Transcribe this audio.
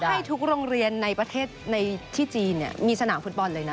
เขาให้ทุกโรงเรียนในประเทศที่จีนมีสนามฟื้นปอนด์เลยนะ